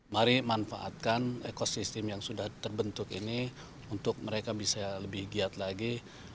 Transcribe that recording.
mari manfaatkan ekosistem yang sudah terbentuk ini untuk mereka bisa lebih giat lagi